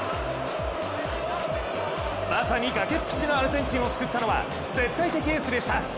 まさに崖っぷちのアルゼンチンを救ったのは絶対的エースでした。